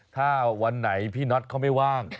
ถ้าวันไหนพี่น็อตเขาไม่ว่าง